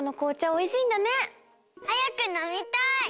はやくのみたい！